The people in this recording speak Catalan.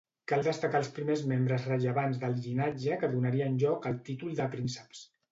Cal destacar els primers membres rellevants del llinatge que donarien lloc al títol de prínceps.